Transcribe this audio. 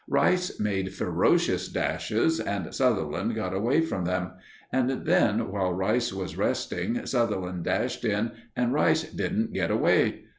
Rice made ferocious dashes and Sutherland got away from them; and then, while Rice was resting, Sutherland dashed in and Rice didn't get away.